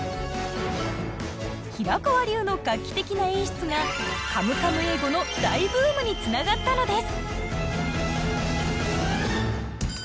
平川流の画期的な演出がカムカム英語の大ブームにつながったのです！